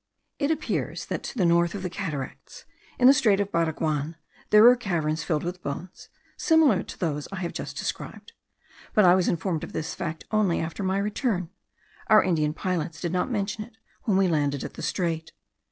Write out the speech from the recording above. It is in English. It appears that to the north of the Cataracts, in the strait of Baraguan, there are caverns filled with bones, similar to those I have just described: but I was informed of this fact only after my return; our Indian pilots did not mention it when we landed at the strait.